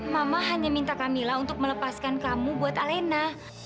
mama hanya minta kamila untuk melepaskan kamu buat alena